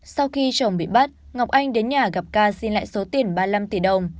sau khi chồng bị bắt ngọc anh đến nhà gặp ca xin lại số tiền ba mươi năm tỷ đồng